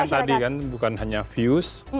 tadi kan bukan hanya views